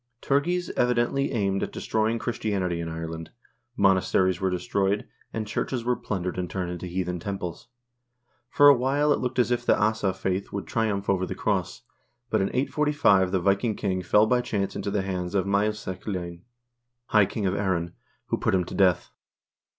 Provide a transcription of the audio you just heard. Turgeis evidently aimed at destroying Christianity in Ireland ; monasteries were destroyed, and churches were plundered and turned into heathen temples. For a while it looked as if the Asa faith would triumph over the Cross, but in 845 the Viking king fell by chance into the hands of Maelsechlainn, high king of Erin, who put him to death.